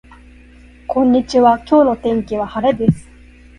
こんにちは今日の天気は晴れです